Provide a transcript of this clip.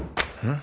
ん？